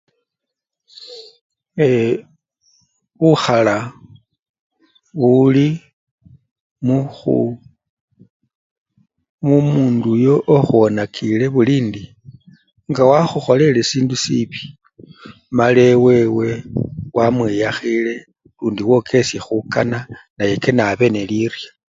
Eee bukhala buli mukhuu mumudu oyo okhwonakile bulindi, nga wakhukholele sindu siibi mala ewewe wamwiyakhile lundi wokeshe khukana, naye kanabe ne lirye